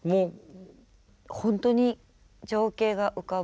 ほんとに情景が浮かぶ。